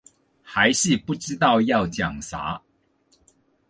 還是不知道要講啥